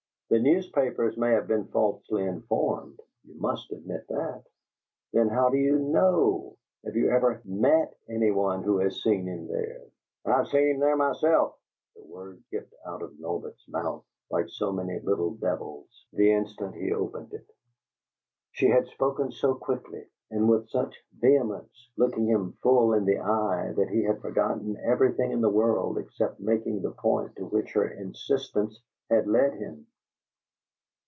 The newspapers may have been falsely informed; you must admit that? Then how do you KNOW? Have you ever MET any one who has seen him there?" "I've seen him there myself!" The words skipped out of Norbert's mouth like so many little devils, the instant he opened it. She had spoken so quickly and with such vehemence, looking him full in the eye, that he had forgotten everything in the world except making the point to which her insistence had led him.